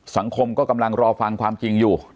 สังคมก็กำลังรอฟังความจริงอยู่